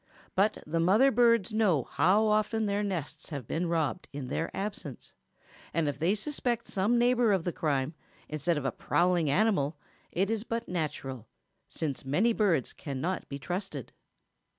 But the mother birds know how often their nests have been robbed in their absence, and if they suspect some neighbor of the crime instead of a prowling animal it is but natural, since many birds cannot be trusted.